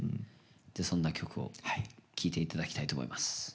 じゃあそんな曲を聴いて頂きたいと思います。